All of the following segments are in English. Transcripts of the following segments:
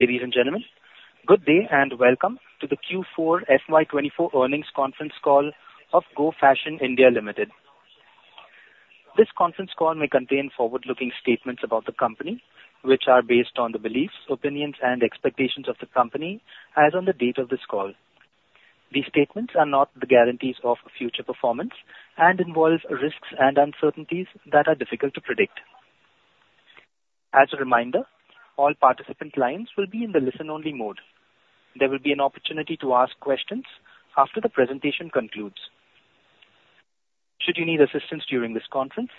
Ladies and gentlemen, good day, and welcome to the Q4 FY 2024 earnings conference call of Go Fashion (India) Limited. This conference call may contain forward-looking statements about the company, which are based on the beliefs, opinions, and expectations of the company as on the date of this call. These statements are not the guarantees of future performance and involve risks and uncertainties that are difficult to predict. As a reminder, all participant lines will be in the listen-only mode. There will be an opportunity to ask questions after the presentation concludes. Should you need assistance during this conference,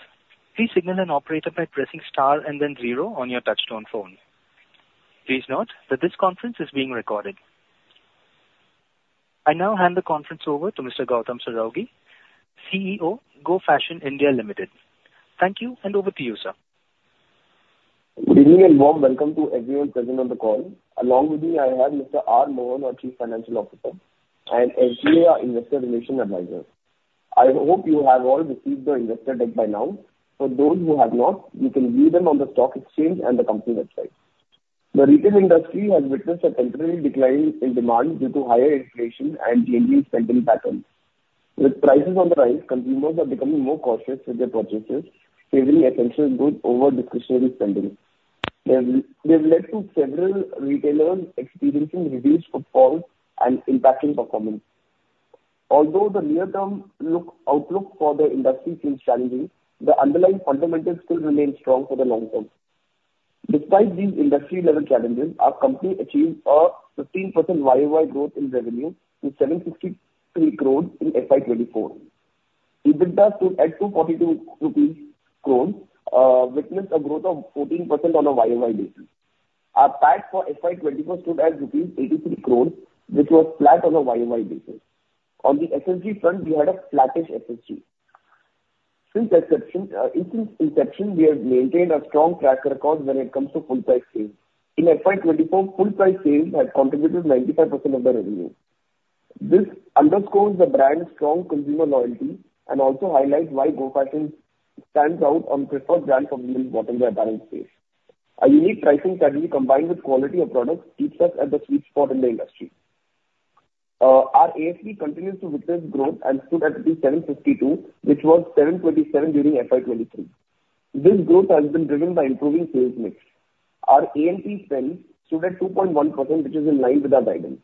please signal an operator by pressing star and then zero on your touchtone phone. Please note that this conference is being recorded. I now hand the conference over to Mr. Gautam Saraogi, CEO, Go Fashion (India) Limited. Thank you, and over to you, sir. Good evening, and warm welcome to everyone present on the call. Along with me, I have Mr. R. Mohan, our Chief Financial Officer, and SGA, our investor relation advisor. I hope you have all received the investor deck by now. For those who have not, you can view them on the stock exchange and the company website. The retail industry has witnessed a temporary decline in demand due to higher inflation and changing spending patterns. With prices on the rise, consumers are becoming more cautious with their purchases, favoring essential goods over discretionary spending. They've led to several retailers experiencing reduced footfall and impacting performance. Although the near-term outlook for the industry seems challenging, the underlying fundamentals still remain strong for the long term. Despite these industry-level challenges, our company achieved a 15% YoY growth in revenue to 763 crores in FY 2024. EBITDA stood at 242 crores rupees, witnessed a growth of 14% on a YoY basis. Our tax for FY 2024 stood at rupees 83 crores, which was flat on a YoY basis. On the SSG front, we had a flattish SSG. Since inception, since inception, we have maintained a strong track record when it comes to full price sales. In FY 2024, full price sales had contributed 95% of the revenue. This underscores the brand's strong consumer loyalty and also highlights why Go Fashion stands out on preferred brand convenience within the apparel space. Our unique pricing strategy, combined with quality of products, keeps us at the sweet spot in the industry. Our ASP continues to witness growth and stood at 752, which was 727 during FY 2023. This growth has been driven by improving sales mix. Our A&P spend stood at 2.1%, which is in line with our guidance.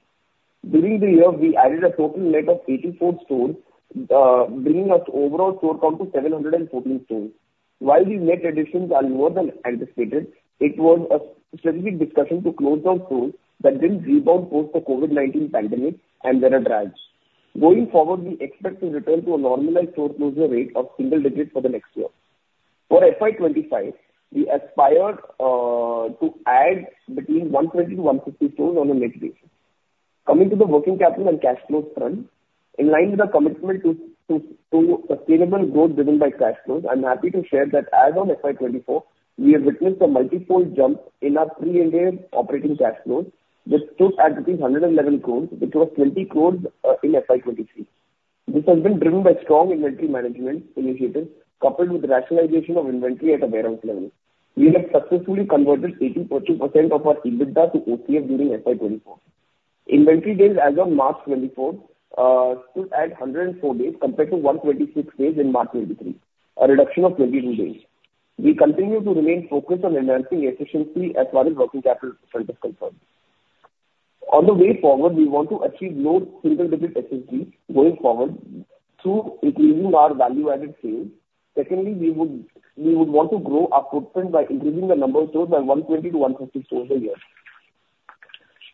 During the year, we added a total net of 84 stores, bringing our overall store count to 714 stores. While the net additions are lower than anticipated, it was a strategic discussion to close down stores that didn't rebound post the COVID-19 pandemic and were a drag. Going forward, we expect to return to a normalized store closure rate of single digits for the next year. For FY 2025, we aspire to add between 120-150 stores on a net basis. Coming to the working capital and cash flows front, in line with our commitment to sustainable growth driven by cash flows, I'm happy to share that as of FY 2024, we have witnessed a multi-fold jump in our pre-Ind AS operating cash flows, which stood at rupees 111 crores, which was 20 crores in FY 2023. This has been driven by strong inventory management initiatives, coupled with rationalization of inventory at a warehouse level. We have successfully converted 82% of our EBITDA to OCF during FY 2024. Inventory days as of March 2024 stood at 104 days compared to 126 days in March 2023, a reduction of 22 days. We continue to remain focused on enhancing efficiency as far as working capital front is concerned. On the way forward, we want to achieve low single-digit SSG going forward through increasing our value-added sales. Secondly, we would want to grow our footprint by increasing the number of stores by 120 to 150 stores a year.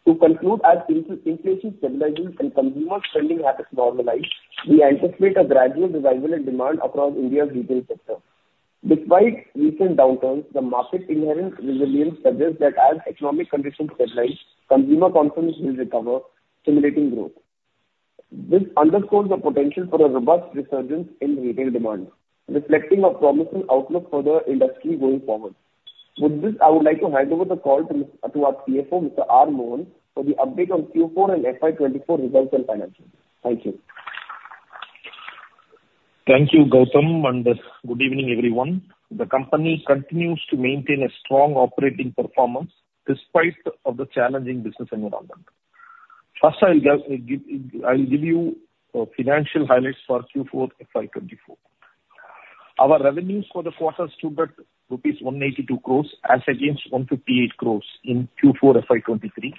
To conclude, as inflation stabilizes and consumer spending habits normalize, we anticipate a gradual revival in demand across India's retail sector. Despite recent downturns, the market's inherent resilience suggests that as economic conditions stabilize, consumer confidence will recover, stimulating growth. This underscores the potential for a robust resurgence in retail demand, reflecting a promising outlook for the industry going forward. With this, I would like to hand over the call to our CFO, Mr. R. Mohan, for the update on Q4 and FY 2024 results and financials. Thank you. Thank you, Gautam, and good evening, everyone. The company continues to maintain a strong operating performance despite of the challenging business environment. First, I'll give you financial highlights for Q4 FY 2024. Our revenues for the quarter stood at rupees 182 crores as against 158 crores in Q4 FY 2023,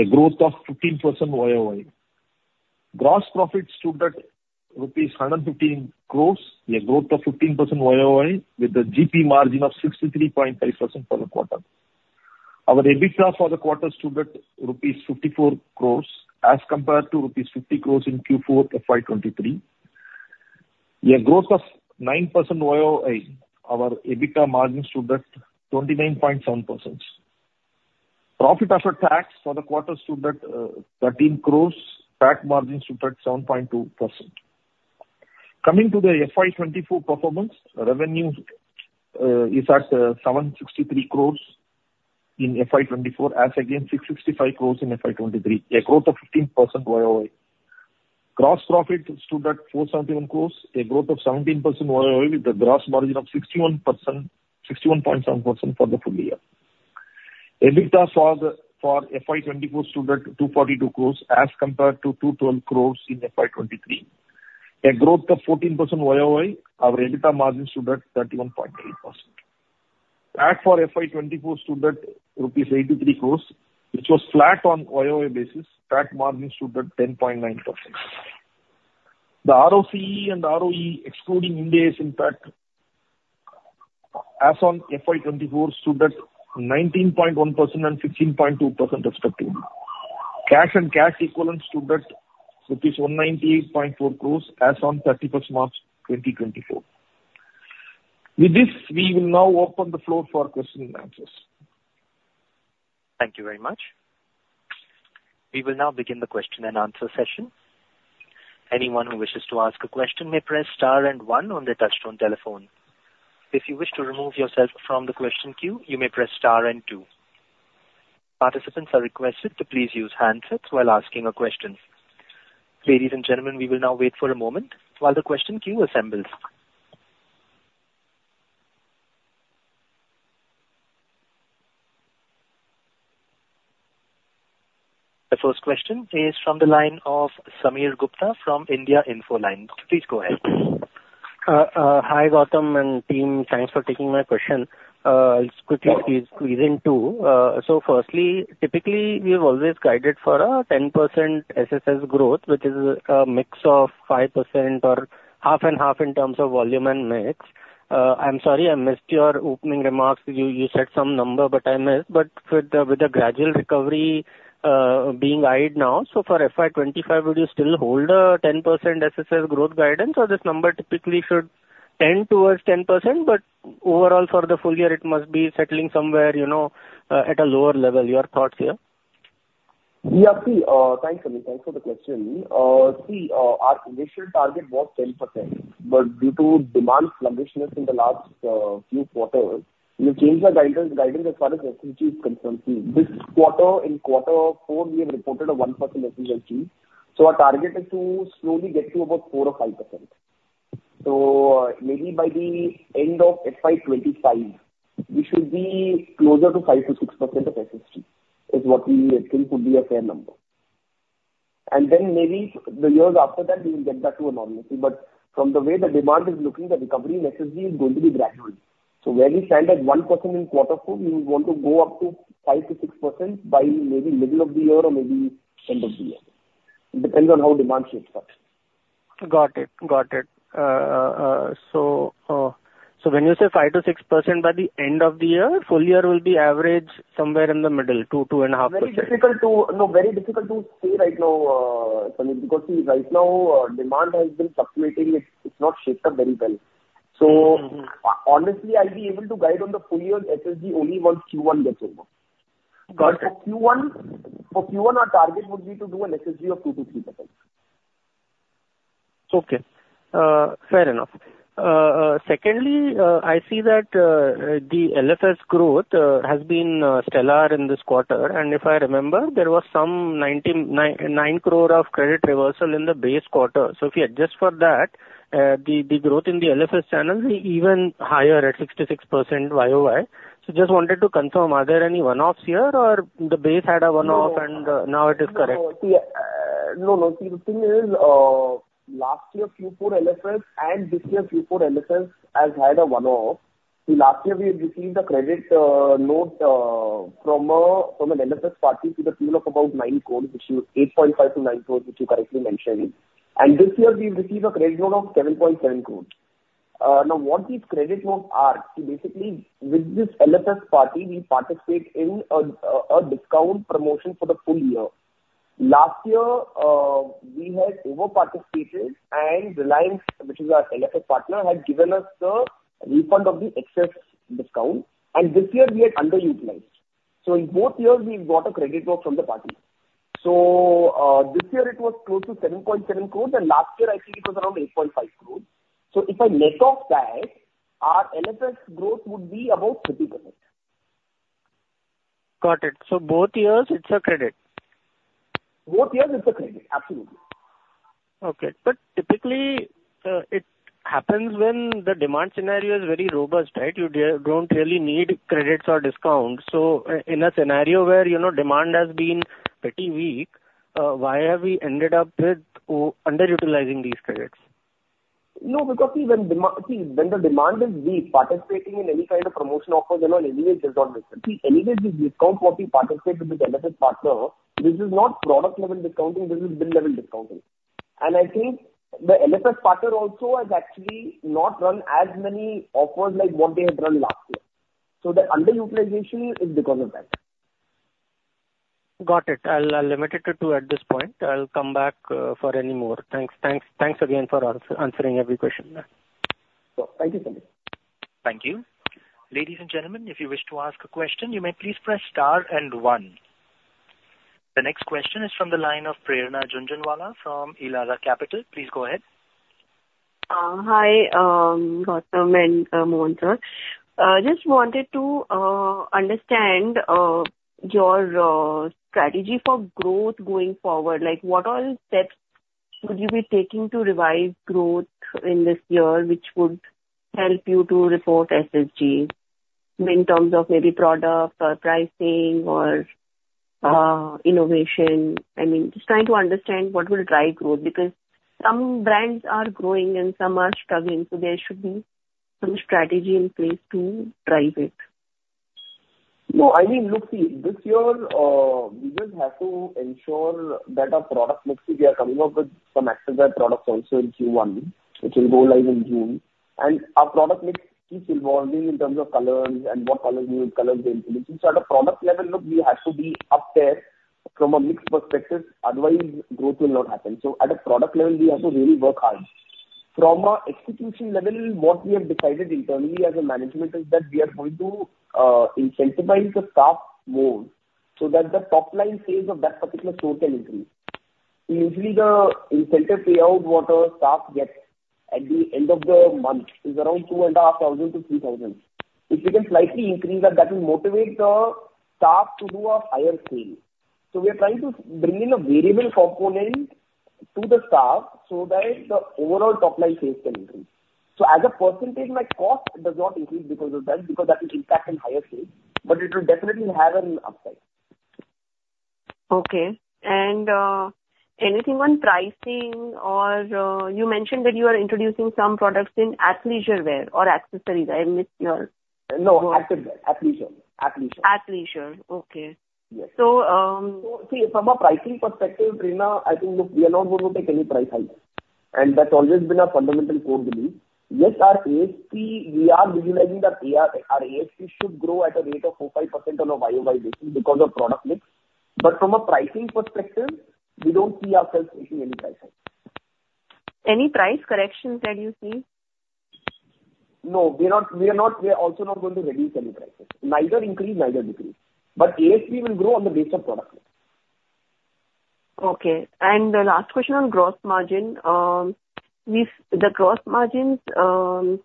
a growth of 15% YoY. Gross profit stood at rupees 115 crores, a growth of 15% YoY, with a GP margin of 63.5% for the quarter. Our EBITDA for the quarter stood at rupees 54 crores, as compared to rupees 50 crores in Q4 FY 2023, a growth of 9% YoY. Our EBITDA margin stood at 29.7%. Profit after tax for the quarter stood at 13 crores. Tax margin stood at 7.2%. Coming to the FY 2024 performance, revenue is at 763 crores in FY 2024, as against 665 crores in FY 2023, a growth of 15% YoY.... Gross profit stood at 471 crore, a growth of 17% YoY, with a gross margin of 61%, 61.7% for the full year. EBITDA for FY 2024 stood at 242 crore, as compared to 212 crore in FY 2023, a growth of 14% YoY. Our EBITDA margin stood at 31.8%. Tax for FY 2024 stood at rupees 83 crore, which was flat on YoY basis. Tax margin stood at 10.9%. The ROCE and ROE, excluding Ind AS impact, as on FY 2024, stood at 19.1% and 16.2% respectively. Cash and cash equivalents stood at rupees 198.4 crore as on March 31, 2024. With this, we will now open the floor for question and answers. Thank you very much. We will now begin the question-and-answer session. Anyone who wishes to ask a question may press star and one on their touchtone telephone. If you wish to remove yourself from the question queue, you may press star and two. Participants are requested to please use handsets while asking a question. Ladies and gentlemen, we will now wait for a moment while the question queue assembles. The first question is from the line of Sameer Gupta from India Infoline. Please go ahead. Hi, Gautam and team. Thanks for taking my question. I'll quickly squeeze in two. So firstly, typically, we have always guided for a 10% SSG growth, which is a mix of 5% or half and half in terms of volume and mix. I'm sorry I missed your opening remarks. You said some number, but I missed. But with the gradual recovery being eyed now, so for FY 2025, would you still hold a 10% SSG growth guidance, or this number typically should tend towards 10%, but overall for the full year, it must be settling somewhere, you know, at a lower level? Your thoughts here. Yeah, see, thanks, Sameer. Thanks for the question. See, our initial target was 10%, but due to demand sluggishness in the last, few quarters, we've changed our guidance, guidance as far as SSG is concerned. See, this quarter, in quarter four, we have reported a 1% SSG. So our target is to slowly get to about 4% or 5%. So maybe by the end of FY 2025, we should be closer to 5%-6% of SSG, is what we think could be a fair number. And then maybe the years after that, we will get back to a normalcy. But from the way the demand is looking, the recovery in SSG is going to be gradual. So where we stand at 1% in quarter four, we would want to go up to 5%-6% by maybe middle of the year or maybe end of the year. It depends on how demand shapes up. Got it. Got it. So when you say 5%-6% by the end of the year, full year will be average somewhere in the middle, 2%-2.5%. Very difficult to... No, very difficult to say right now, Sameer, because see, right now, demand has been fluctuating. It's, it's not shaped up very well. Mm-hmm. So honestly, I'll be able to guide on the full year SSG only once Q1 gets over. Got it. For Q1, for Q1, our target would be to do an SSG of 2%-3%. Okay, fair enough. Secondly, I see that the LFS growth has been stellar in this quarter, and if I remember, there was some 99.9 crore of credit reversal in the base quarter. So if you adjust for that, the growth in the LFS channel is even higher at 66% YoY. So just wanted to confirm, are there any one-offs here, or the base had a one-off- No. - and, now it is correct? No, no. See, the thing is, last year, Q4 LFS and this year, Q4 LFS has had a one-off. See, last year we had received a credit note from a, from an LFS party to the tune of about 9 crore, which was 8.5 crore-9 crore, which you correctly mentioned, and this year we've received a credit note of 7.7 crore. Now, what these credit notes are, see, basically, with this LFS party, we participate in a discount promotion for the full year. Last year, we had overparticipated, and Reliance, which is our LFS partner, had given us the refund of the excess discount, and this year we had underutilized. So in both years, we've got a credit note from the party. So, this year it was close to 7.7 crores, and last year I think it was around 8.5 crores. So if I net off that, our LFS growth would be about 30%. Got it. So both years, it's a credit? Both years it's a credit, absolutely. Okay. But typically, it happens when the demand scenario is very robust, right? You don't really need credits or discounts. So in a scenario where, you know, demand has been pretty weak, why have we ended up with underutilizing these credits? No, because, see, when demand... See, when the demand is weak, participating in any kind of promotion offers are not anyways does not make sense. See, anyways, the discount what we participate with this LFS partner, this is not product-level discounting, this is bill-level discounting. And I think the LFS partner also has actually not run as many offers like what they had run last year. So the underutilization is because of that. Got it. I'll limit it to two at this point. I'll come back for any more. Thanks, thanks, thanks again for answering every question. Thank you, Sameer. Thank you. Ladies and gentlemen, if you wish to ask a question, you may please press star and one. The next question is from the line of Prerna Jhunjhunwala from Elara Capital. Please go ahead.... Hi, Gautam and, Mohan Sir. Just wanted to understand your strategy for growth going forward. Like, what all steps should you be taking to revise growth in this year, which would help you to report SSG in terms of maybe product or pricing or, innovation? I mean, just trying to understand what will drive growth, because some brands are growing and some are struggling, so there should be some strategy in place to drive it. No, I mean, look, see, this year, we just have to ensure that our product mix, we are coming up with some accessory products also in Q1, which will go live in June. And our product mix keeps evolving in terms of colors and what colors, new colors they include. So at a product level, look, we have to be up there from a mix perspective, otherwise growth will not happen. So at a product level, we have to really work hard. From a execution level, what we have decided internally as a management is that we are going to, incentivize the staff more, so that the top-line sales of that particular store can increase. Usually, the incentive payout what our staff gets at the end of the month is around 2,500-3,000. If we can slightly increase that, that will motivate the staff to do a higher sale. So we are trying to bring in a variable component to the staff so that the overall top-line sales can increase. So as a percentage, my cost does not increase because of that, because that will impact in higher sales, but it will definitely have an upside. Okay. Anything on pricing? Or you mentioned that you are introducing some products in athleisure wear or accessories. I missed your- No, accessory, athleisure, athleisure. Athleisure. Okay. Yes. So, um- See, from a pricing perspective, Trina, I think, look, we are not going to take any price hike, and that's always been a fundamental core belief. Yes, our ASP, we are visualizing that our ASP should grow at a rate of 4%-5% on a YoY basis because of product mix. But from a pricing perspective, we don't see ourselves taking any price hike. Any price corrections that you see? No, we are not, we are not, we are also not going to reduce any prices. Neither increase, neither decrease, but ASP will grow on the basis of product mix. Okay. And the last question on gross margin. The gross margins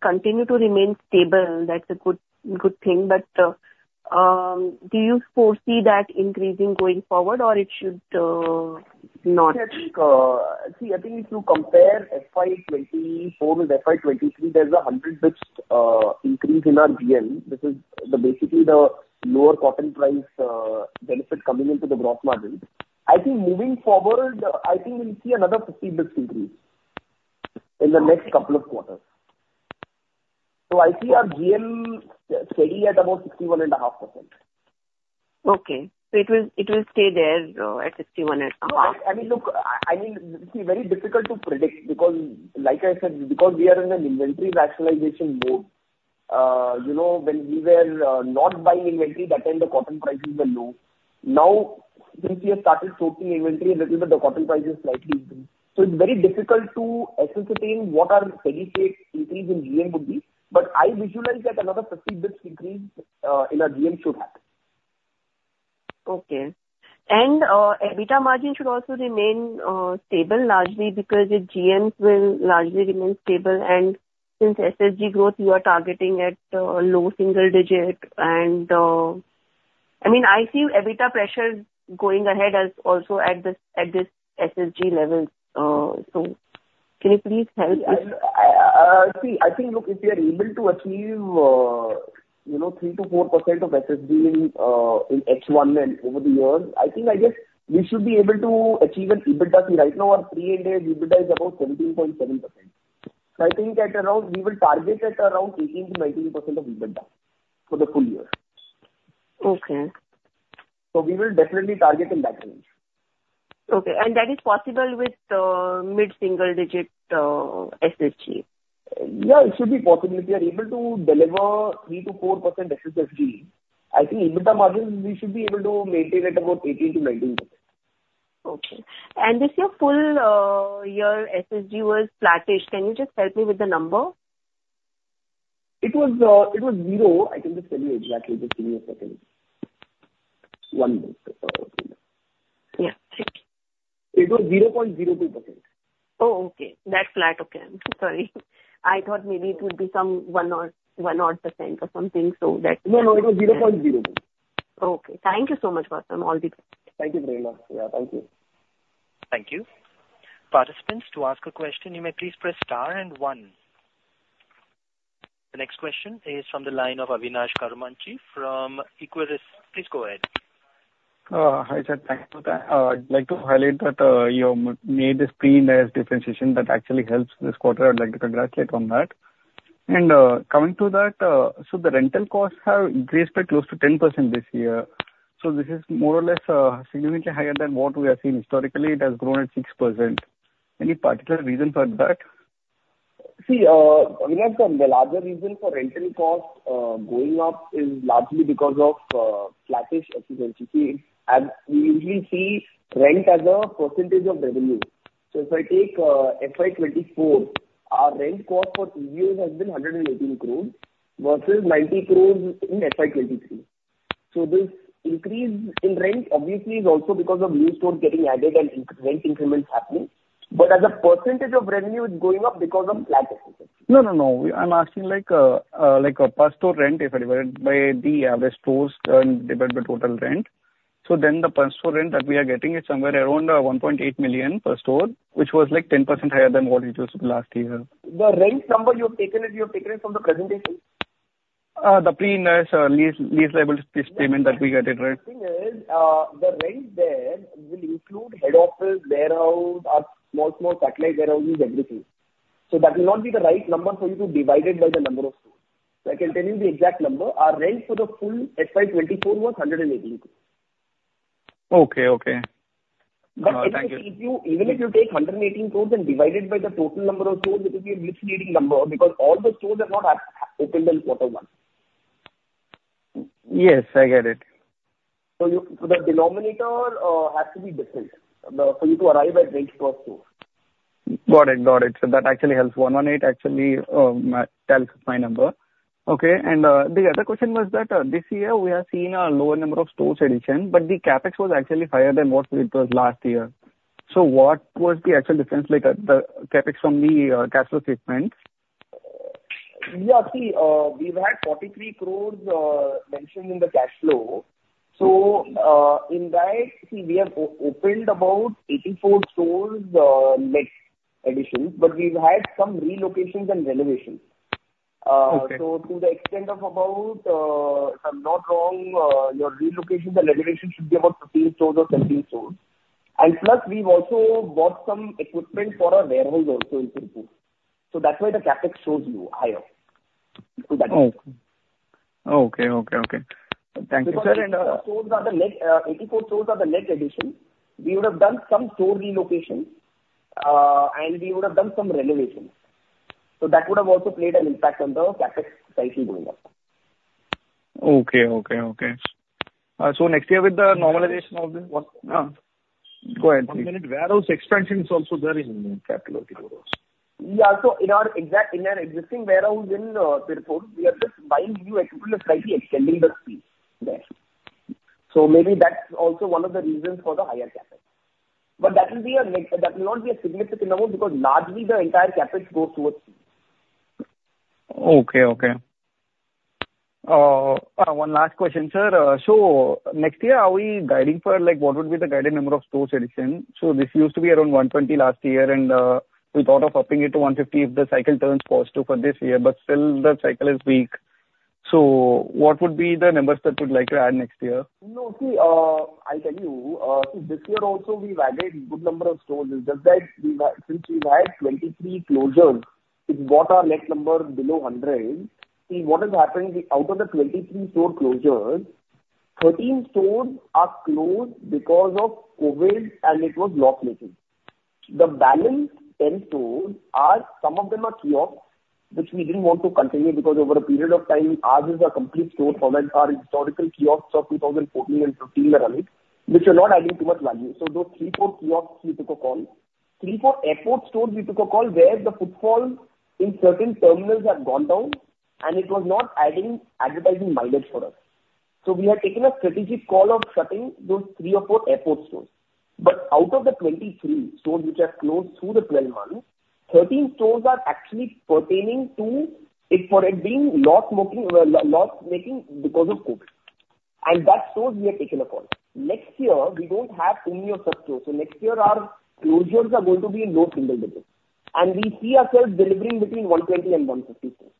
continue to remain stable. That's a good, good thing, but do you foresee that increasing going forward, or it should not? I think, see, I think if you compare FY 2024 with FY 2023, there's a 100 basis points increase in our GM. This is basically the lower cotton price benefit coming into the gross margin. I think moving forward, I think we'll see another 50 basis points increase in the next couple of quarters. So I see our GM steady at about 61.5%. Okay. So it will, it will stay there at 61.5%? No, I mean, look, I mean, see, very difficult to predict, because like I said, because we are in an inventory rationalization mode. You know, when we were not buying inventory, that time the cotton prices were low. Now, since we have started sourcing inventory a little bit, the cotton price is slightly increased. So it's very difficult to ascertain what our steady state increase in GM would be, but I visualize that another 50 basis points increase in our GM should happen. Okay. And, EBITDA margin should also remain stable, largely because the GMs will largely remain stable, and since SSG growth, you are targeting at low single digit. And, I mean, I see EBITDA pressures going ahead as also at this, at this SSG level. So can you please help with- See, I think, look, if we are able to achieve, you know, 3%-4% of SSG in H1 and over the years, I think, I guess we should be able to achieve an EBITDA. See, right now, our pre-EBITDA is about 17.7%. So I think at around... We will target at around 18%-19% of EBITDA for the full year. Okay. We will definitely target in that range. Okay. And that is possible with mid-single digit SSG? Yeah, it should be possible. If we are able to deliver 3%-4% SSG, I think EBITDA margin, we should be able to maintain at about 18%-19%. Okay. And this year full, your SSG was flattish. Can you just help me with the number? It was, it was zero. I can just tell you exactly. Just give me a second. One minute, Prerna. Yeah, sure. It was 0.02%. Oh, okay. That's flat. Okay, I'm sorry. I thought maybe it would be some 1% or 1 odd % or something, so that- No, no, it was 0.02%. Okay. Thank you so much, Gautam. All the best. Thank you, Prerna. Yeah, thank you. Thank you. Participants, to ask a question, you may please press Star and One. The next question is from the line of Avinash Karumanchi from Equirus. Please go ahead. Hi, sir. Thank you for that. I'd like to highlight that you have made this Pre-Ind AS differential that actually helps this quarter. I'd like to congratulate on that. And coming to that, so the rental costs have increased by close to 10% this year. So this is more or less significantly higher than what we have seen. Historically, it has grown at 6%. Any particular reason for that? See, Avinash, the larger reason for rental cost going up is largely because of flattish efficiency. See, as we usually see, rent as a percentage of revenue. So if I take FY 2024, our rent cost for three years has been 118 crores versus 90 crores in FY 2023. So this increase in rent obviously is also because of new stores getting added and rent increments happening. But as a percentage of revenue, it's going up because of flat effect. No, no, no. We, I'm asking like, like a per store rent, if I divide it by the average stores, divide the total rent. So then the per store rent that we are getting is somewhere around, 1.8 million per store, which was like 10% higher than what it was last year. The rent number you have taken it, you have taken it from the presentation? The Pre-Ind AS or lease liability payment that we get, right? The thing is, the rent there will include head office, warehouse, our small, small satellite warehouses, everything. So that will not be the right number for you to divide it by the number of stores. I can tell you the exact number. Our rent for the full FY 2024 was 118 crore. Okay, okay. Thank you. But if you, even if you take 118 crores and divide it by the total number of stores, it will be a misleading number, because all the stores are not at, opened in quarter one. Yes, I get it. So, you, the denominator, has to be different then for you to arrive at rent per store. Got it, got it. So that actually helps. 118 actually, matches my number. Okay, and, the other question was that, this year we have seen a lower number of store additions, but the CapEx was actually higher than what it was last year. So what was the actual difference, like, the CapEx from the, cash flow statement? Yeah, see, we've had 43 crore mentioned in the cash flow. So, in that, see, we have opened about 84 stores, net addition, but we've had some relocations and renovations. Okay. To the extent of about, if I'm not wrong, your relocations and renovations should be about 15 stores or 17 stores. Plus, we've also bought some equipment for our warehouse also in Tirupur. That's why the CapEx shows you higher. That's it. Oh, okay. Okay, okay. Thank you, sir, and- Because stores are the net, 84 stores are the net addition. We would have done some store relocation, and we would have done some renovations. So that would have also played an impact on the CapEx slightly going up. Okay, okay, okay. So next year with the normalization of the what... Go ahead. One minute. Warehouse expansion is also there in CapEx. Yeah, so in our existing warehouse in Tirupur, we are just buying new equipment and slightly extending the space there. So maybe that's also one of the reasons for the higher CapEx. But that will be a that will not be a significant number, because largely the entire CapEx goes towards. Okay, okay. One last question, sir. So next year, are we guiding for, like, what would be the guided number of stores addition? So this used to be around 120 last year, and we thought of upping it to 150 if the cycle turns positive for this year, but still the cycle is weak. So what would be the numbers that you'd like to add next year? No, see, I'll tell you. This year also we added good number of stores. It's just that we've had, since we've had 23 closures, it brought our net number below 100. See, what has happened is out of the 23 store closures, 13 stores are closed because of COVID, and it was loss-making. The balance 10 stores are, some of them are kiosks, which we didn't want to continue, because over a period of time, ours is a complete store format. Our historical kiosks of 2014 and 2015 are running, which are not adding too much value. So those three, four kiosks, we took a call. Three, four airport stores, we took a call, where the footfall in certain terminals had gone down, and it was not adding advertising mileage for us. So we have taken a strategic call of shutting those three or four airport stores. But out of the 23 stores which have closed through the 12 months, 13 stores are actually pertaining to it, for it being loss making because of COVID. And that store we have taken a call. Next year, we don't have any such stores, so next year our closures are going to be in low single digits, and we see ourselves delivering between 120 and 150 stores.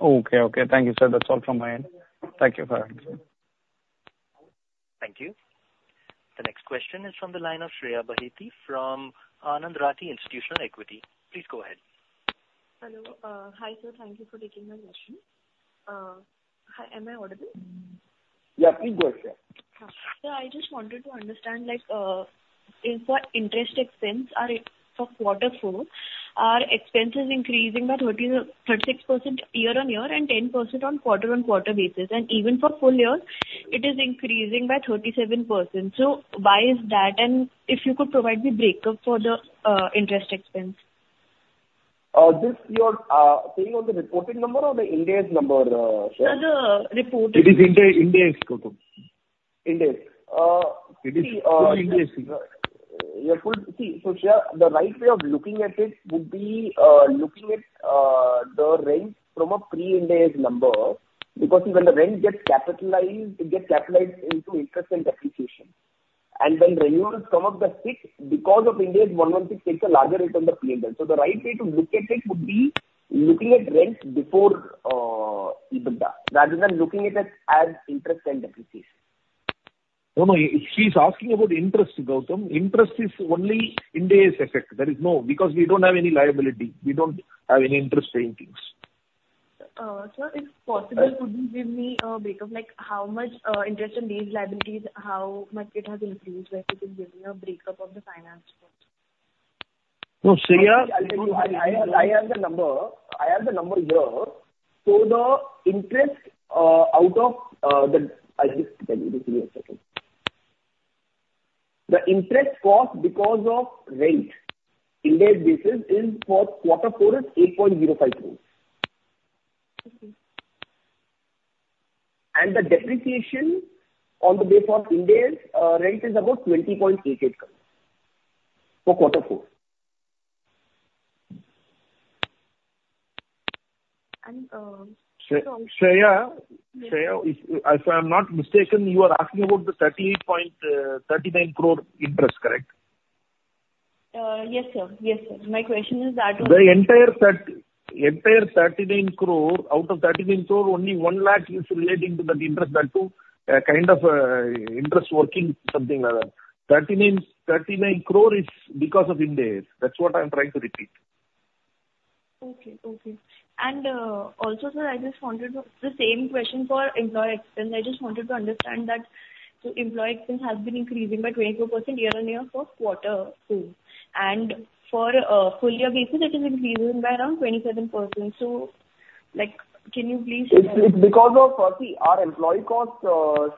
Okay, okay. Thank you, sir. That's all from my end. Thank you for answering. Thank you. The next question is from the line of Shreya Baheti from Anand Rathi Institutional Equity. Please go ahead. Hello. Hi, sir. Thank you for taking my question. Hi, am I audible? Yeah, please go ahead, Shreya. Sir, I just wanted to understand, like, is what interest expense are in for quarter four, our expense is increasing by 36% year-on-year and 10% on quarter-on-quarter basis, and even for full year, it is increasing by 37%. So why is that? And if you could provide the breakup for the, interest expense. This, you're saying on the reported number or the Ind AS number, Shreya? The reported. It is Ind AS, Gautam. Ind AS. See, It is full Ind AS. Yeah, see, so Shreya, the right way of looking at it would be looking at the rent from a Pre-Ind AS number, because when the rent gets capitalized, it gets capitalized into interest and depreciation. And when renewals come up the sixth, because of Ind AS 116 takes a larger rate than the Pre-Ind AS. So the right way to look at it would be looking at rents before EBITDA, rather than looking at it as interest and depreciation. No, no, she's asking about interest, Gautam. Interest is only Ind AS effect. There is no, because we don't have any liability, we don't have any interest-paying things. Sir, if possible, could you give me a breakdown, like, how much interest on these liabilities, how much it has increased, if you can give me a breakdown of the finance part? No, Shreya- I'll tell you. I have the number here. So the interest cost because of rent, Ind AS basis is for quarter four is 8.05 crore. And the depreciation on the basis of Ind AS rent is about 20.88 crore, for quarter four. And, um- Shreya, Shreya, if I'm not mistaken, you are asking about the 38.39 crore interest, correct? Yes, sir. Yes, sir. My question is that- The entire 39 crore, out of 39 crore, only 1 lakh is relating to that interest, that too, a kind of, interest working, something like that. 39, 39 crore is because of indirect. That's what I'm trying to repeat. Okay. Okay. And also, sir, I just wanted to know, the same question for employee expense. I just wanted to understand that the employee expense has been increasing by 22% year-on-year for quarter two, and for full year basis, it is increasing by around 27%. So, like, can you please- It's because of, see, our employee costs,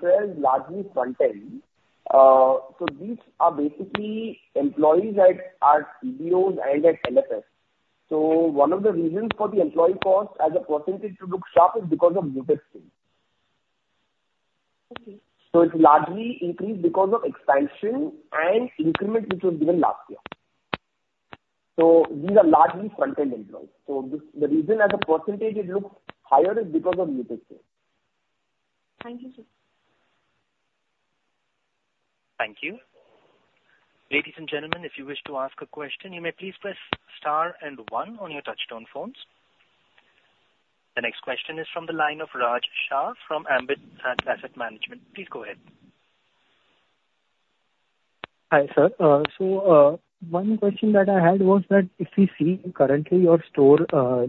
sales largely front-end. So these are basically employees at our COs and at LFS. So one of the reasons for the employee cost as a percentage to look sharp is because of muted sales. Okay. So it's largely increased because of expansion and increments which was given last year. So these are largely front-end employees. So this, the reason as a percentage it looks higher is because of muted sales. Thank you, sir. Thank you. Ladies and gentlemen, if you wish to ask a question, you may please press Star and One on your touchtone phones. The next question is from the line of Raj Shah from Ambit Asset Management. Please go ahead. Hi, sir. So, one question that I had was that if we see currently your store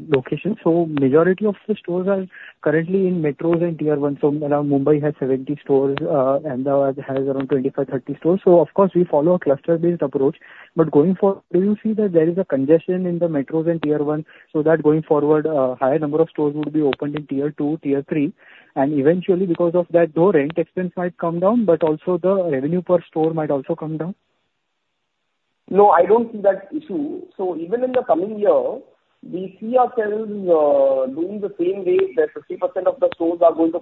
location, so majority of the stores are currently in metros and Tier One, so around Mumbai has 70 stores, Ahmedabad has around 25-30 stores. So of course, we follow a cluster-based approach. But going forward, do you see that there is a congestion in the metros and Tier One, so that going forward, a higher number of stores will be opened in Tier Two, Tier Three, and eventually, because of that, the rent expense might come down, but also the revenue per store might also come down? No, I don't see that issue. So even in the coming year, we see ourselves doing the same way, that 50% of the stores are going to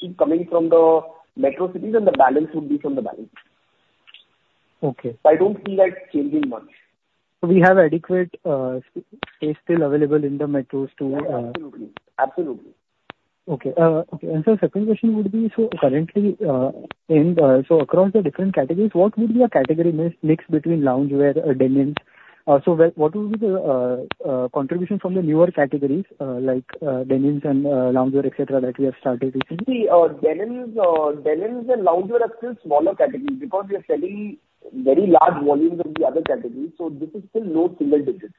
keep coming from the metro cities, and the balance would be from Tier 2/3. Okay. I don't see that changing much. We have adequate space still available in the metros to... Absolutely. Absolutely. Okay. Okay, and so second question would be, so currently, in, so across the different categories, what would be a category mix between loungewear and denim? So what would be the contribution from the newer categories, like denims and loungewear, et cetera, that we have started recently? See, denims and loungewear are still smaller categories because we are selling very large volumes of the other categories, so this is still low single digits.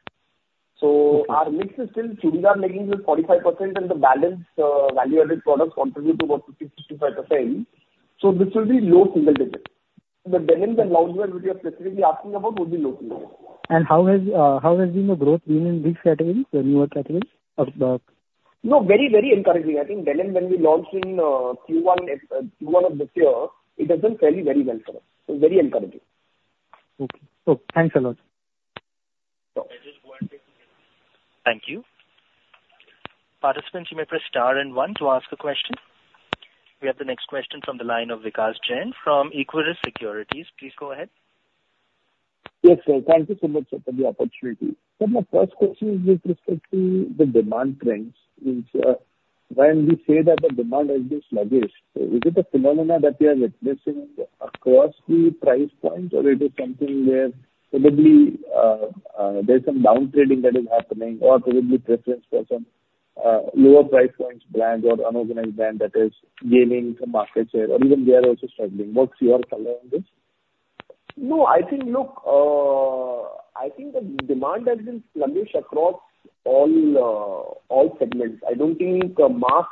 Okay. Our mix is still churidar leggings is 45%, and the balance, value-added products contribute to about 50-55%. This will be low single digits. The denims and loungewear, which you're specifically asking about, would be low single digits. How has the growth been in these categories, the newer categories of the- No, very, very encouraging. I think denim, when we launched in, Q1, Q1 of this year, it has been selling very well for us. So very encouraging. Okay. Thanks a lot. No. Thank you. Participants, you may press Star and One to ask a question. We have the next question from the line of Vikas Jain from Equirus Securities. Please go ahead. Yes, sir. Thank you so much, sir, for the opportunity. Sir, my first question is with respect to the demand trends, is, when we say that the demand has been sluggish, is it a phenomenon that we are witnessing across the price points, or it is something where probably, there's some downtrading that is happening, or probably preference for some, lower price points brand or unorganized brand that is gaining some market share, or even they are also struggling. What's your thought on this? No, I think, look, I think the demand has been sluggish across all, all segments. I don't think mass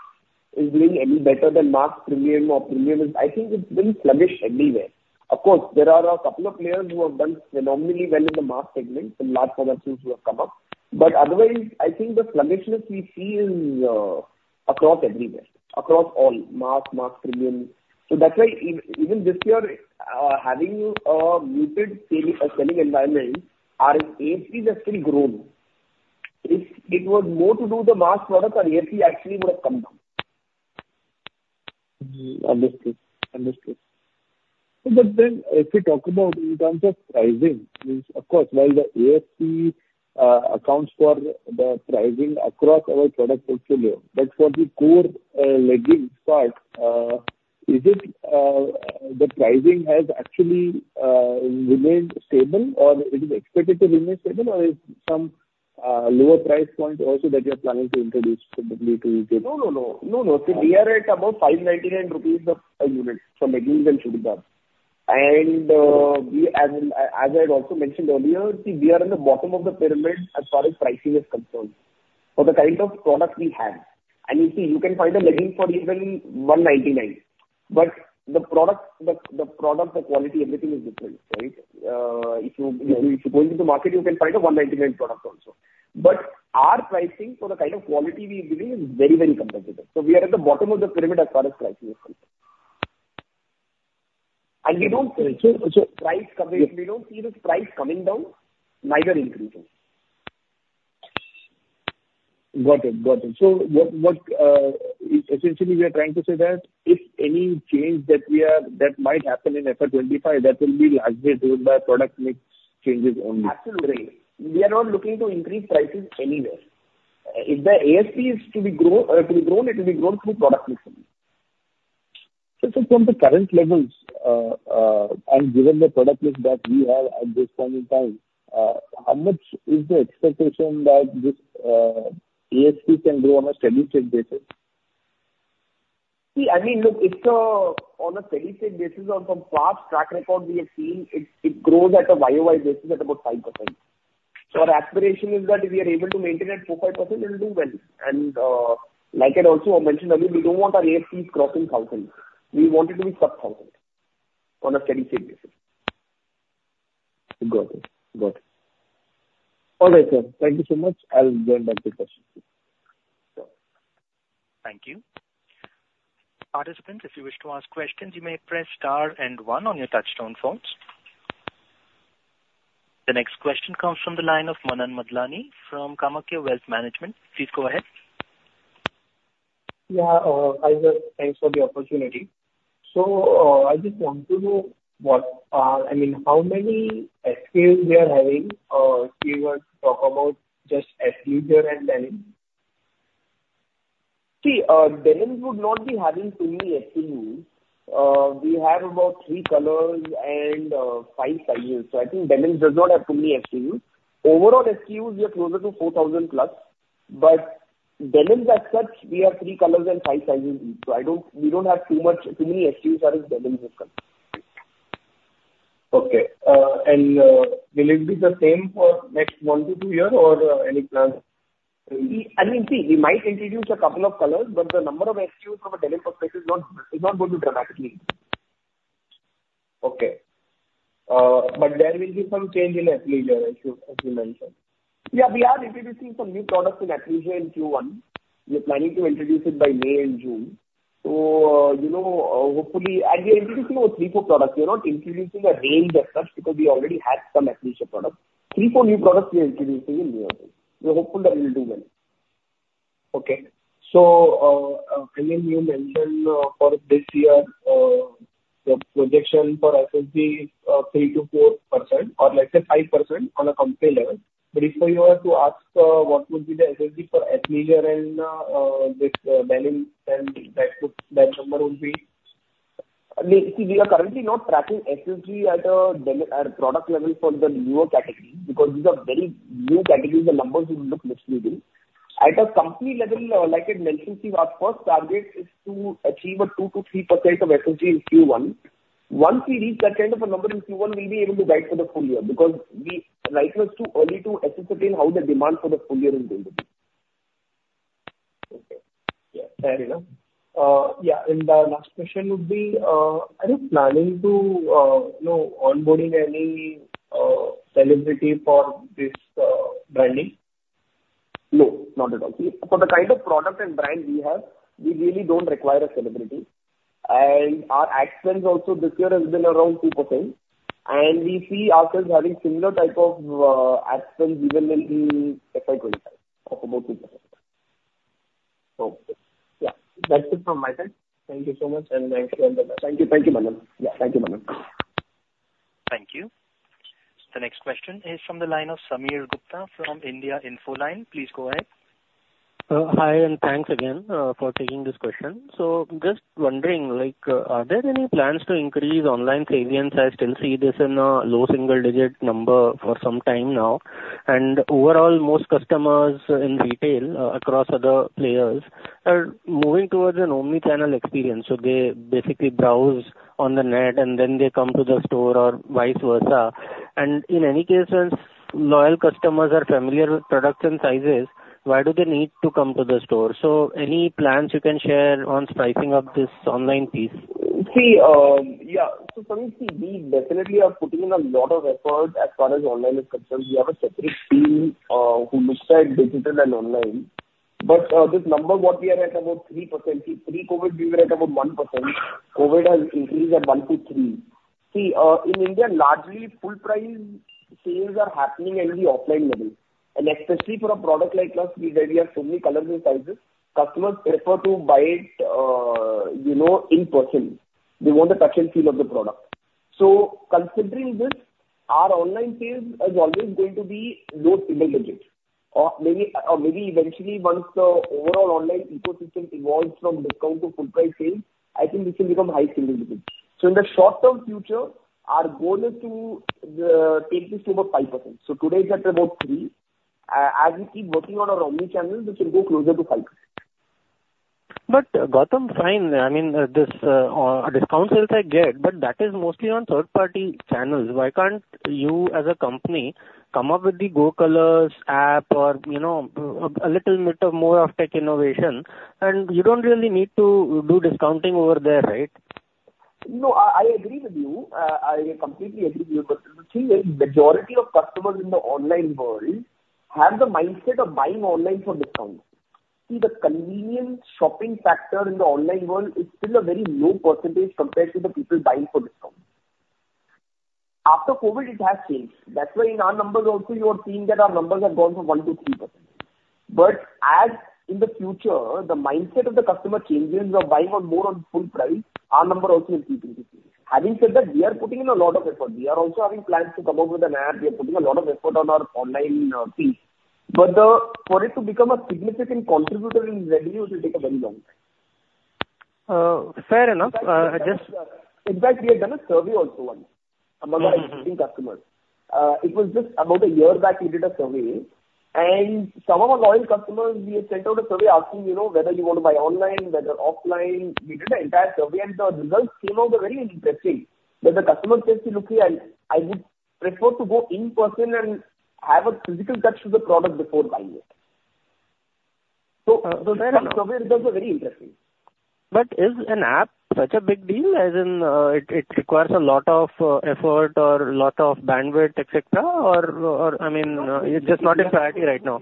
is doing any better than mass premium or premium is... I think it's been sluggish anywhere. Of course, there are a couple of players who have done phenomenally well in the mass segment, some large products who have come up. But otherwise, I think the sluggishness we see in, across everywhere, across all mass, mass premium. So that's why even this year, having a muted selling, selling environment, our ASPs have still grown. If it was more to do the mass product, our ASP actually would have come down. Understood. Understood. But then, if we talk about in terms of pricing, means, of course, while the ASP accounts for the pricing across our product portfolio, but for the core leggings part, is it the pricing has actually remained stable, or it is expected to remain stable, or is some lower price point also that you're planning to introduce probably to get? No, no, no. No, no. See, we are at about 599 rupees per unit for leggings and churidar. And, we, as I had also mentioned earlier, see, we are in the bottom of the pyramid as far as pricing is concerned, for the kind of product we have. And you see, you can find a legging for even 199, but the product, the quality, everything is different, right? If you go into the market, you can find a 199 product also... But our pricing for the kind of quality we are giving is very, very competitive. So we are at the bottom of the pyramid as far as pricing is concerned. And we don't- So, so- Price coming. We don't see this price coming down, neither increasing. Got it. Got it. So what, essentially we are trying to say that if any change that might happen in FY 25, that will be largely driven by product mix changes only? Absolutely. We are not looking to increase prices anywhere. If the ASP is to be grown, it will be grown through product mix only. From the current levels, and given the product mix that we have at this point in time, how much is the expectation that this ASP can grow on a steady-state basis? See, I mean, look, it's on a steady-state basis or from past track record, we have seen it. It grows at a YoY basis at about 5%. So our aspiration is that if we are able to maintain at 4%-5%, we'll do well. And like I'd also mentioned earlier, we don't want our ASPs crossing 1,000. We want it to be sub-1,000 on a steady-state basis. Got it. Got it. All right, sir. Thank you so much. I'll join back the question. Thank you. Participants, if you wish to ask questions, you may press Star and One on your touchtone phones. The next question comes from the line of Manan Madlani from Kamayakya Wealth Management. Please go ahead. Yeah, hi there. Thanks for the opportunity. So, I just want to know what, I mean, how many SKUs we are having, if you were to talk about just athleisure and Denim? See, Denim would not be having too many SKUs. We have about 3 colors and 5 sizes. So I think Denim does not have too many SKUs. Overall SKUs, we are closer to 4,000+, but Denim as such, we have 3 colors and 5 sizes each. So we don't have too much, too many SKUs as far as Denim is concerned. Okay, and will it be the same for next 1-2 years or any plans? We, I mean, see, we might introduce a couple of colors, but the number of SKUs from a Denim perspective is not going to dramatically. Okay. But there will be some change in athleisure, as you mentioned? Yeah, we are introducing some new products in athleisure in Q1. We are planning to introduce it by May and June. So, you know, hopefully... And we are introducing those three-four products. We are not introducing a range as such because we already have some athleisure products. Three-four new products we are introducing in May. We're hopeful that it will do well. Okay. So, I know you mentioned, for this year, your projection for SSG, 3%-4%, or let's say 5% on a company level. But if you were to ask, what would be the SSG for athleisure and, this, Denim, then that would, that number would be? We are currently not tracking SSG at a product level for the newer category, because these are very new categories, the numbers will look misleading. At a company level, like I mentioned, our first target is to achieve a 2%-3% SSG in Q1. Once we reach that kind of a number in Q1, we'll be able to guide for the full year, because right now it's too early to ascertain how the demand for the full year is going to be. Okay. Yeah, fair enough. Yeah, and the last question would be, are you planning to, you know, onboarding any, celebrity for this, branding? No, not at all. See, for the kind of product and brand we have, we really don't require a celebrity. And our ad spends also this year has been around 2%, and we see ourselves having similar type of ad spends even in the FY 2025, of about 2%. Okay. Yeah, that's it from my side. Thank you so much, and thanks again. Thank you. Thank you, Manan. Yeah. Thank you, Manan. Thank you. The next question is from the line of Sameer Gupta from India Infoline. Please go ahead. Hi, and thanks again for taking this question. So just wondering, like, are there any plans to increase online presence? I still see this in a low single digit number for some time now. And overall, most customers in retail across other players are moving towards an omni-channel experience. So they basically browse on the net and then they come to the store or vice versa. And in any case, since loyal customers are familiar with products and sizes, why do they need to come to the store? So any plans you can share on spicing up this online piece? See, yeah. So Sameer, see, we definitely are putting in a lot of effort as far as online is concerned. We have a separate team, who looks at digital and online. But, this number, what we are at, about 3%. See, in India, largely full price sales are happening in the offline level. And especially for a product like us, we have so many colors and sizes, customers prefer to buy it, you know, in person. They want the touch and feel of the product. So considering this, our online sales is always going to be low single digits. Or maybe, or maybe eventually, once the overall online ecosystem evolves from discount to full price sales, I think this will become high single digits. So in the short-term future, our goal is to take this to about 5%. So today it's at about 3. As we keep working on our omni-channel, this will go closer to 5. But Gautam, fine, I mean, this, discounts as I get, but that is mostly on third-party channels. Why can't you, as a company, come up with the Go Colors app or, you know, a little bit of more of tech innovation, and you don't really need to do discounting over there, right?... No, I, I agree with you. I completely agree with you. Because the thing is, majority of customers in the online world have the mindset of buying online for discount. See, the convenient shopping factor in the online world is still a very low percentage compared to the people buying for discount. After COVID, it has changed. That's why in our numbers also, you are seeing that our numbers have gone from 1%-3%. But as in the future, the mindset of the customer changes of buying on more on full price, our number also will keep increasing. Having said that, we are putting in a lot of effort. We are also having plans to come up with an app. We are putting a lot of effort on our online piece. But, for it to become a significant contributor in revenue, it will take a very long time. Fair enough. I just- In fact, we have done a survey also once among our existing customers. Mm-hmm. It was just about a year back, we did a survey, and some of our loyal customers, we had sent out a survey asking, you know, whether you want to buy online, whether offline. We did an entire survey, and the results came out very interesting, that the customer said, "Look, I, I would prefer to go in person and have a physical touch to the product before buying it." So, so the survey results are very interesting. But is an app such a big deal, as in, it requires a lot of effort or a lot of bandwidth, etc.? Or, I mean, it's just not a priority right now.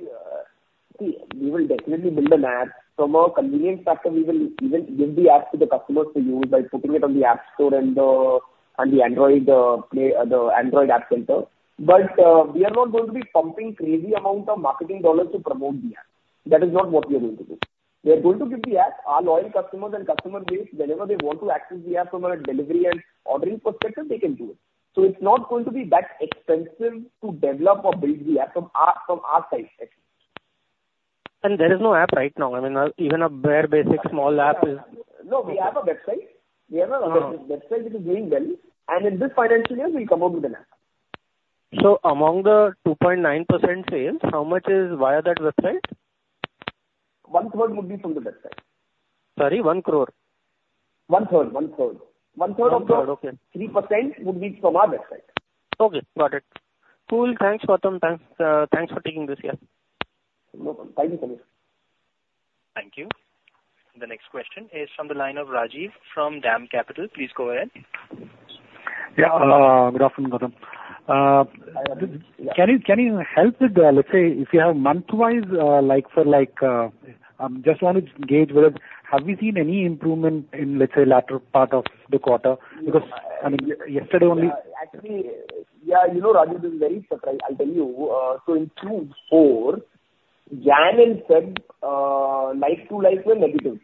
See, we will definitely build an app. From a convenience factor, we will even give the app to the customers to use by putting it on the App Store and, on the Android, play, the Android app center. But, we are not going to be pumping crazy amount of marketing dollars to promote the app. That is not what we are going to do. We are going to give the app, our loyal customers and customer base, whenever they want to access the app from a delivery and ordering perspective, they can do it. So it's not going to be that expensive to develop or build the app from our, from our side, actually. There is no app right now. I mean, even a bare basics small app is- No, we have a website. Oh. We have a website, which is doing well, and in this financial year we'll come out with an app. Among the 2.9% sales, how much is via that website? One third would be from the website. Sorry, 1 crore? One third, one third. One third, okay. One-third of the 3% would be from our website. Okay, got it. Cool. Thanks, Gautam. Thanks, thanks for taking this. Yeah. No problem. Thank you, Sameer. Thank you. The next question is from the line of Rajiv from DAM Capital. Please go ahead. Yeah. Good afternoon, Gautam. Can you, can you help with the, let's say, if you have month-wise, like for like, just want to gauge whether have you seen any improvement in, let's say, latter part of the quarter? Because, I mean, yesterday only- Actually, yeah, you know, Rajiv, it is very surprising. I'll tell you, so in 2024, January and February, like to like, were negative.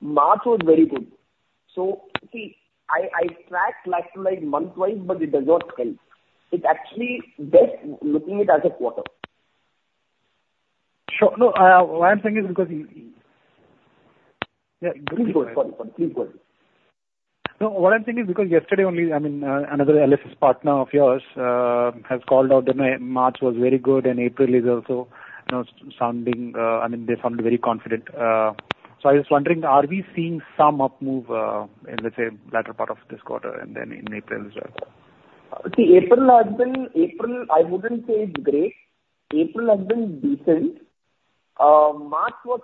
March was very good. So see, I, I track like to like month-wise, but it does not help. It's actually best looking it as a quarter. Sure. No, what I'm saying is because yeah, please go ahead. Sorry. Please go ahead. No, what I'm saying is because yesterday only, I mean, another LFS partner of yours, has called out that March was very good, and April is also, you know, sounding, I mean, they sounded very confident. So I was wondering, are we seeing some up move, in, let's say, latter part of this quarter and then in April as well? See, April has been, April, I wouldn't say it's great. April has been decent. March was.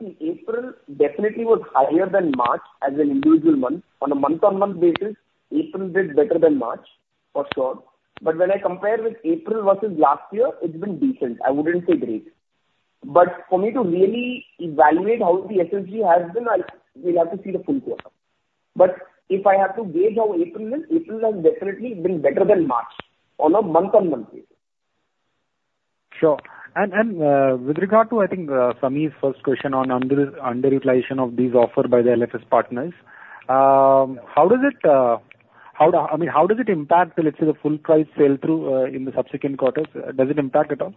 See, April definitely was higher than March as an individual month. On a month-on-month basis, April did better than March, for sure. But when I compare with April versus last year, it's been decent. I wouldn't say great. But for me to really evaluate how the FFG has been, I, we'll have to see the full quarter. But if I have to gauge how April is, April has definitely been better than March on a month-on-month basis. Sure. And with regard to, I think, Sameer's first question on underutilization of these offers by the LFS partners, how does it, how, I mean, how does it impact the, let's say, the full price sell-through in the subsequent quarters? Does it impact at all?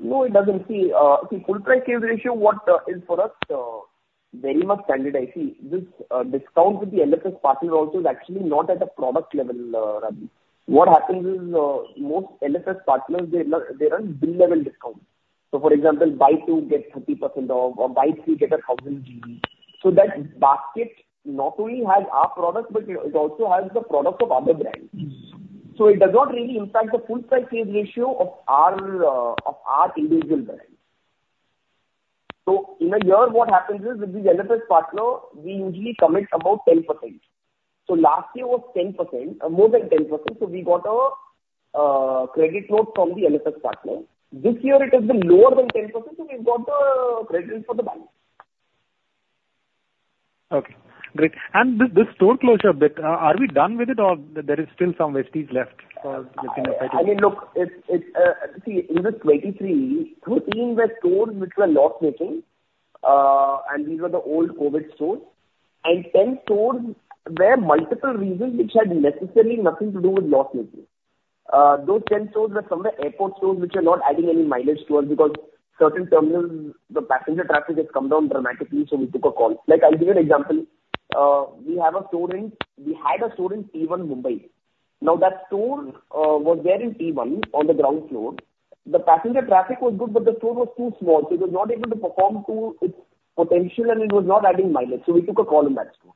No, it doesn't. See, see, full price sales ratio, what, is for us, very much standard. I see this, discount with the LFS partner also is actually not at a product level, Rajiv. What happens is, most LFS partners, they run, they run bill level discounts. So for example, buy 2, get 30% off, or buy 3, get 1,000 GVs. So that basket not only has our product, but it, it also has the products of other brands. Mm. So it does not really impact the full price sales ratio of our individual brand. So in a year, what happens is, with the LFS partner, we usually commit about 10%. So last year was 10%, more than 10%, so we got a credit note from the LFS partner. This year it has been lower than 10%, so we've got the credit for the balance. Okay, great. This, this store closure bit, are we done with it or there is still some vestiges left for looking at that? I mean, look, it's, see, in 2023, we're seeing where stores which were loss-making, and these were the old COVID stores, and 10 stores where multiple reasons which had necessarily nothing to do with loss-making. Those 10 stores were some of the airport stores which are not adding any mileage to us because certain terminals, the passenger traffic has come down dramatically, so we took a call. Like, I'll give you an example. We have a store in, we had a store in T1 Mumbai. Now, that store was there in T1 on the ground floor. The passenger traffic was good, but the store was too small, so it was not able to perform to its potential and it was not adding mileage. So we took a call on that store.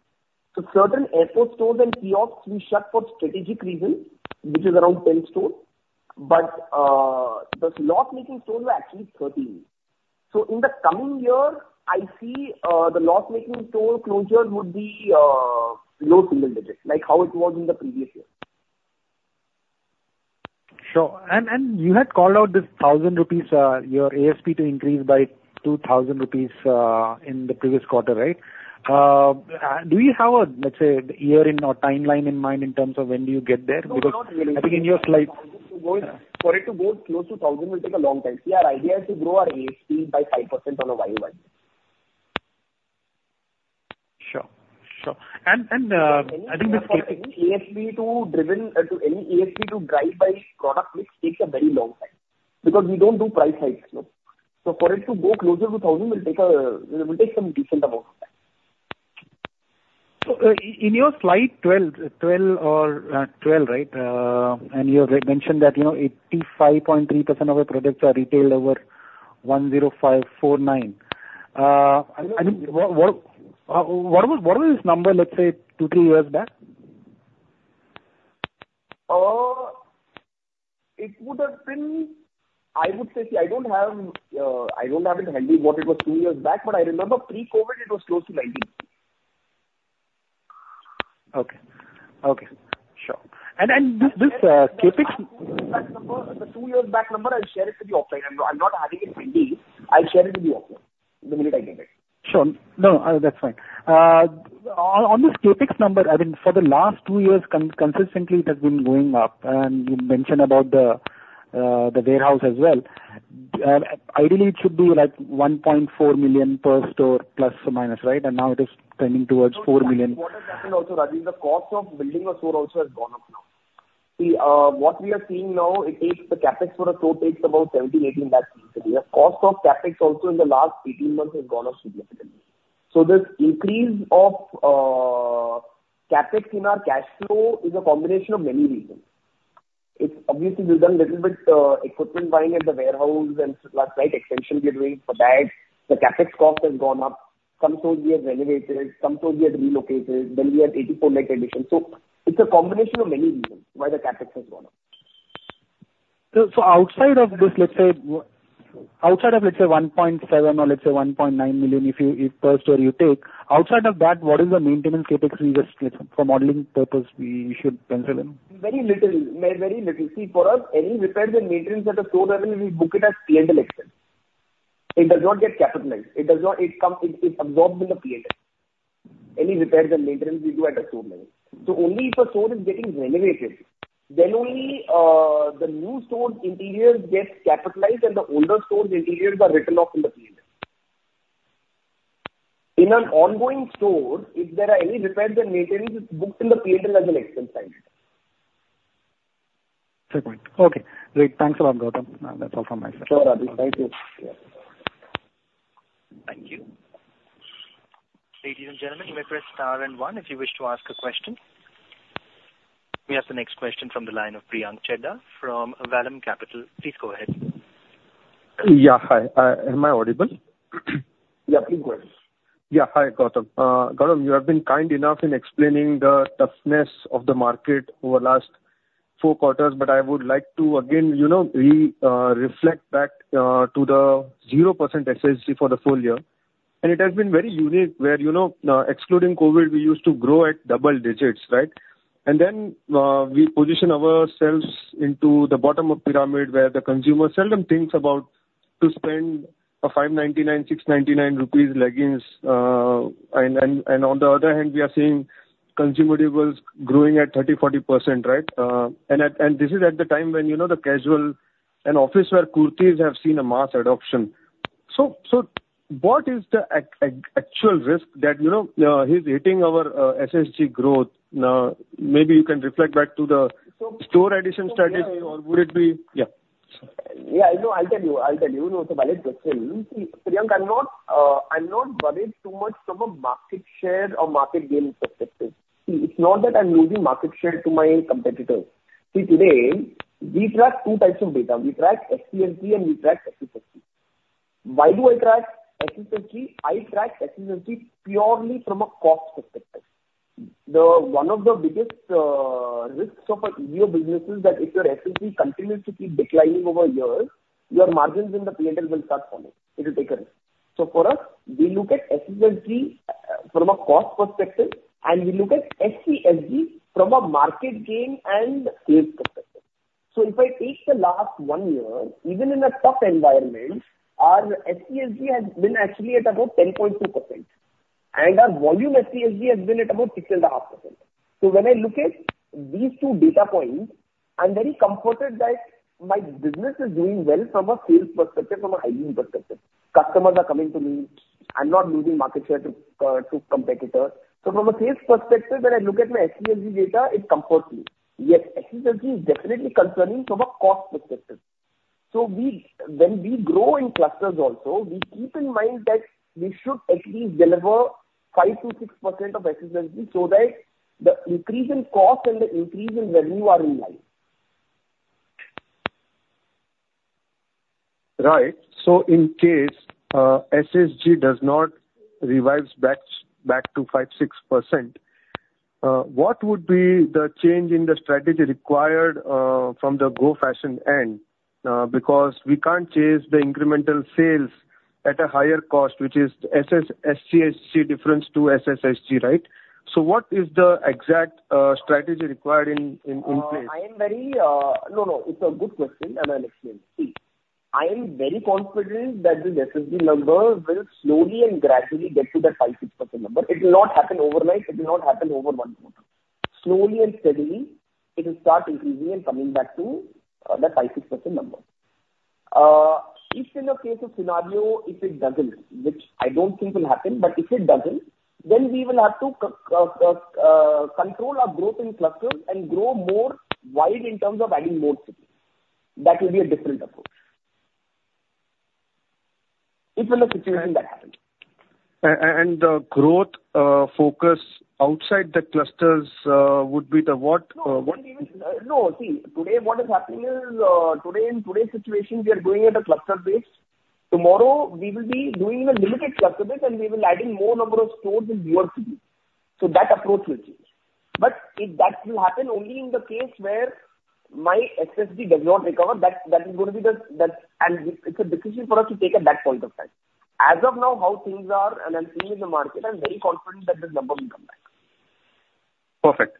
So certain airport stores and kiosks we shut for strategic reasons, which is around 10 stores, but those loss-making stores were actually 13. So in the coming year, I see the loss-making store closure would be low single digits, like how it was in the previous year. Sure. And you had called out this 1,000 rupees, your ASP to increase by 2,000 rupees in the previous quarter, right? Do you have a, let's say, year in or timeline in mind in terms of when do you get there? No, not really. Because I think in your slide- For it to go close to 1,000 will take a long time. See, our idea is to grow our ASP by 5% on a YoY. Sure. Sure. And I think this CapEx- ASP is driven. To drive any ASP by product mix takes a very long time, because we don't do price hikes, no. So for it to go closer to 1,000 will take, will take some decent amount of time. So, in your slide 12, right? You have mentioned that, you know, 85.3% of our products are retailed over 10549. I think, what was this number, let's say, 2-3 years back? It would have been, I would say... See, I don't have it handy what it was two years back, but I remember pre-COVID it was close to 90. Okay. Okay, sure. And, and this, this, CapEx- The two years back number, I'll share it with you offline. I'm not, I'm not having it handy. I'll share it with you offline, the minute I get it. Sure. No, that's fine. On this CapEx number, I mean, for the last two years, consistently, it has been going up, and you mentioned about the, the warehouse as well. Ideally, it should be like 1.4 million per store, plus or minus, right? And now it is trending towards 4 million. What has happened also, Rajiv, the cost of building a store also has gone up now. See, what we are seeing now, it takes the CapEx for a store takes about 17-18 lakhs rupees. The cost of CapEx also in the last 18 months has gone up significantly. So this increase of, CapEx in our cash flow is a combination of many reasons. It's obviously, we've done little bit, equipment buying at the warehouse and slight extension we are doing for that. The CapEx cost has gone up. Some stores we have renovated, some stores we have relocated, then we have 84 net addition. So it's a combination of many reasons why the CapEx has gone up. So, outside of this, let's say 1.7 million or 1.9 million, if per store you take, outside of that, what is the maintenance CapEx, let's say, for modeling purpose, we should consider in? Very little. Very, very little. See, for us, any repairs and maintenance at a store level, we book it as P&L expense. It does not get capitalized. It does not... It comes, it's absorbed in the P&L. Any repairs and maintenance we do at the store level. So only if a store is getting renovated, then only, the new store's interiors get capitalized, and the older store's interiors are written off in the P&L. In an ongoing store, if there are any repairs and maintenance, it's booked in the P&L as an expense item. Okay. Great. Thanks a lot, Gautam. That's all from my side. Sure, Rajiv. Thank you. Thank you. Ladies and gentlemen, you press star and one if you wish to ask a question. We have the next question from the line of Priyank Chheda from Vallum Capital. Please go ahead. Yeah. Hi, am I audible? Yeah, please go ahead. Yeah. Hi, Gautam. Gautam, you have been kind enough in explaining the toughness of the market over the last four quarters, but I would like to again, you know, reflect back to the 0% SSG for the full year. And it has been very unique where, you know, excluding COVID, we used to grow at double digits, right? And then we position ourselves into the bottom of pyramid, where the consumer seldom thinks about to spend 599, 699 rupees leggings, and on the other hand, we are seeing consumables growing at 30%-40%, right? And this is at the time when, you know, the casual and office wear kurtis have seen a mass adoption. So what is the actual risk that, you know, is hitting our SSG growth? Maybe you can reflect back to the store addition strategy, or would it be... Yeah. Yeah, I know. I'll tell you. I'll tell you. No, it's a valid question. See, Priyank, I'm not, I'm not worried too much from a market share or market gain perspective. See, it's not that I'm losing market share to my competitors. See, today, we track two types of data. We track SPSG and we track SSG. Why do I track SSG? I track SSG purely from a cost perspective. The, one of the biggest, risks of an EBO business is that if your SSG continues to keep declining over years, your margins in the P&L will start falling. It will take a risk. So for us, we look at SSG, from a cost perspective, and we look at SPSG from a market gain and sales perspective. So if I take the last one year, even in a tough environment, our SPSG has been actually at about 10.2%, and our volume SPSG has been at about 6.5%. So when I look at these two data points, I'm very comforted that my business is doing well from a sales perspective, from a hygiene perspective. Customers are coming to me. I'm not losing market share to, to competitors. So from a sales perspective, when I look at my SPSG data, it comforts me, yet SSG is definitely concerning from a cost perspective. So we, when we grow in clusters also, we keep in mind that we should at least deliver 5%-6% of SSG so that the increase in cost and the increase in revenue are in line. Right. So in case SSG does not revise back to 5-6%, what would be the change in the strategy required from the Go Fashion end? Because we can't chase the incremental sales at a higher cost, which is SPSG difference to SSG, right? So what is the exact strategy required in place? No, no, it's a good question, and I'll explain. See, I am very confident that the SSG number will slowly and gradually get to that 5%-6% number. It will not happen overnight, it will not happen over one quarter. Slowly and steadily, it will start increasing and coming back to that 5%-6% number. If in the case of scenario, if it doesn't, which I don't think will happen, but if it doesn't, then we will have to control our growth in clusters and grow more wide in terms of adding more cities. That will be a different approach. If in a situation that happens. And the growth focus outside the clusters would be the what? What- No, see, today what is happening is, today, in today's situation, we are growing at a cluster base. Tomorrow, we will be doing a limited cluster base, and we will adding more number of stores in newer cities, so that approach will change. But if that will happen only in the case where my SSG does not recover, that is going to be the, that. And it's a decision for us to take at that point of time. As of now, how things are and I'm seeing in the market, I'm very confident that this number will come back. Perfect.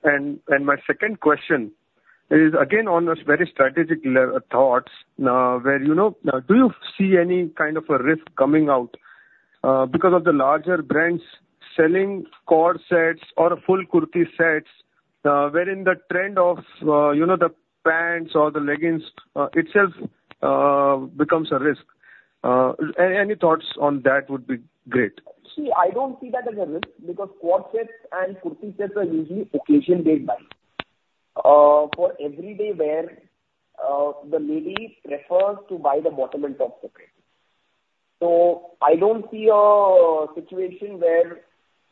My second question is again on a very strategic level thoughts, where, you know, do you see any kind of a risk coming out, because of the larger brands selling co-ord sets or full kurti sets, wherein the trend of, you know, the pants or the leggings, itself, becomes a risk? Any thoughts on that would be great. See, I don't see that as a risk because co-ord sets and kurti sets are usually occasion-based buys. For every day wear, the ladies prefers to buy the bottom and top separate. So I don't see a situation where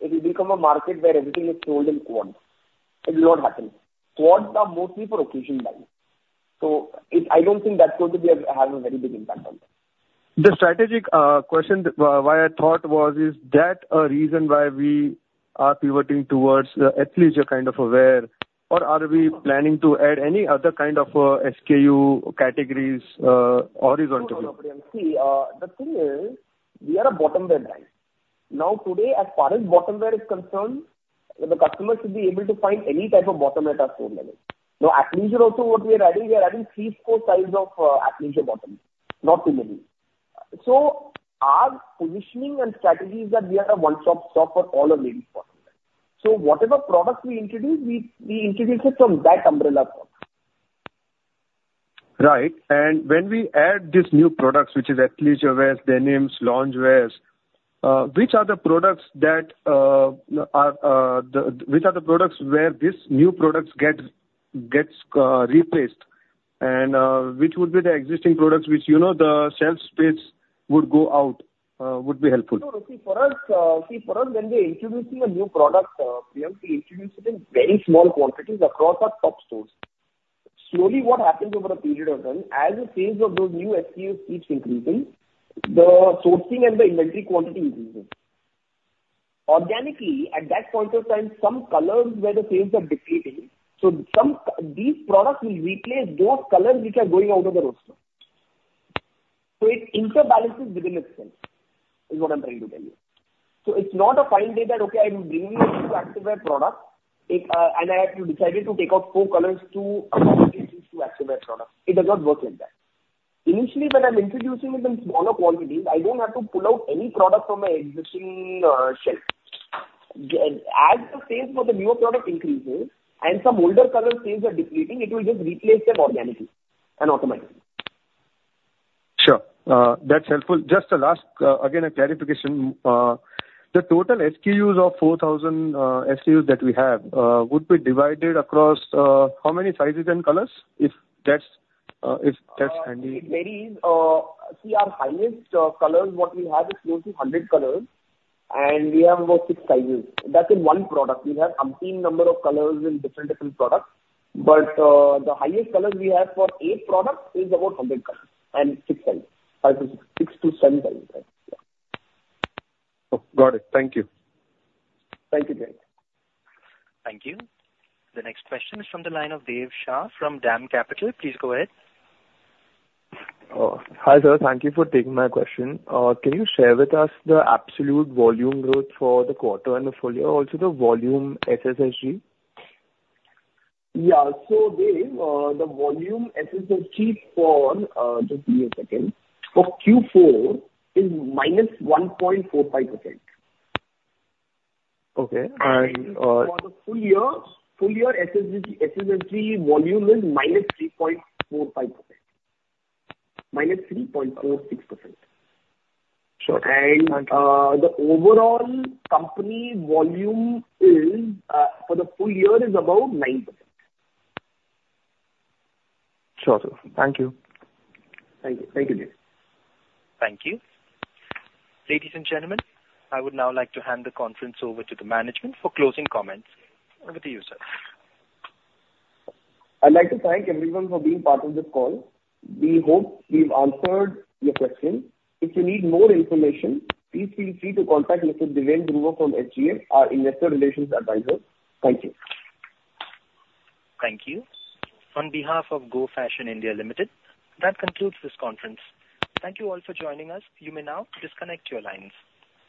it will become a market where everything is sold in co-ords. It will not happen. Co-ords are mostly for occasion buying, so it... I don't think that's going to be a, have a very big impact on it. The strategic question why I thought was, is that a reason why we are pivoting towards the athleisure kind of a wear, or are we planning to add any other kind of SKU categories horizontally? See, the thing is, we are a bottom wear brand. Now, today, as far as bottom wear is concerned, the customer should be able to find any type of bottom at our store level. Now, athleisure also, what we are adding, we are adding three-four styles of, athleisure bottom, not too many. So our positioning and strategy is that we are a one-stop shop for all our ladies' bottom wear. So whatever products we introduce, we, we introduce it from that umbrella product. Right. And when we add these new products, which is athleisure wear, denims, loungewear, which are the products where these new products get replaced? And which would be the existing products which, you know, the sales space would go out, would be helpful? No, see, for us, see, for us, when we are introducing a new product, we have to introduce it in very small quantities across our top stores. Slowly, what happens over a period of time, as the sales of those new SKUs keeps increasing, the sourcing and the inventory quantity increases. Organically, at that point of time, some colors where the sales are depleting, so some, these products will replace those colors which are going out of the roster. So it interbalances within itself, is what I'm trying to tell you. So it's not a fine day that, okay, I'm bringing a new activewear product, it, and I have to decided to take out four colors to accommodate this new activewear product. It does not work like that. Initially, when I'm introducing it in smaller quantities, I don't have to pull out any product from my existing shelf. As the sales for the newer product increases and some older color sales are depleting, it will just replace them organically and automatically. Sure, that's helpful. Just a last, again, a clarification. The total SKUs of 4,000 SKUs that we have would be divided across how many sizes and colors, if that's, if that's handy? It varies. See, our highest colors, what we have is close to 100 colors, and we have about 6 sizes. That's in one product. We have umpteen number of colors in different, different products, but the highest colors we have for a product is about 100 colors and 6 sizes, 6 to 7 sizes, right, yeah. Oh, got it. Thank you. Thank you, Jay. Thank you. The next question is from the line of Dev Shah from DAM Capital. Please go ahead. Hi there. Thank you for taking my question. Can you share with us the absolute volume growth for the quarter and the full year, also the volume SSG? Yeah. So Dev, the volume SSG for, just give me a second, for Q4 is -1.45%. Okay, and For the full year, full year SSG, SSG volume is -3.45%. -3.46%. Sure. The overall company volume is, for the full year, about 9%. Sure, sir. Thank you. Thank you. Thank you, Dev. Thank you. Ladies and gentlemen, I would now like to hand the conference over to the management for closing comments. Over to you, sir. I'd like to thank everyone for being part of this call. We hope we've answered your questions. If you need more information, please feel free to contact Mr. Deven Dhruva from SGA, our investor relations advisor. Thank you. Thank you. On behalf of Go Fashion (India) Limited, that concludes this conference. Thank you all for joining us. You may now disconnect your lines.